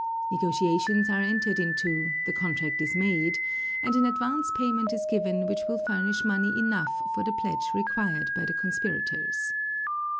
Negotiations are entered into, the contract is made, and an advance payment is given which will furnish money enough for the pledge required by the conspirators.